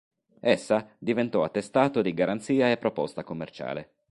Essa diventò attestato di garanzia e proposta commerciale.